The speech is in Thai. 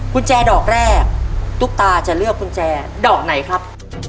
กุญแจดอกแรกตุ๊กตาจะเลือกกุญแจดอกไหนครับ